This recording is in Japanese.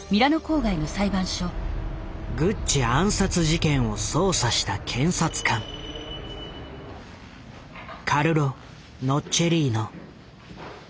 グッチ暗殺事件を捜査した検察官カルロ・ノッチェリーノ。